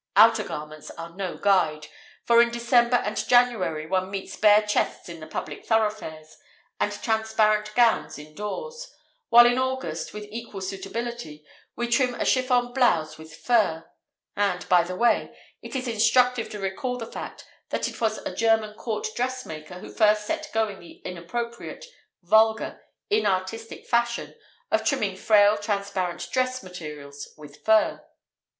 Outer garments are no guide, for in December and January one meets bare chests in the public thoroughfares and transparent gowns indoors; while in August, with equal suitability, we trim a chiffon blouse with fur! (and, by the way, it is instructive to recall the fact that it was a German Court dressmaker who first set going the inappropriate, vulgar, inartistic fashion of trimming frail transparent dress materials with fur).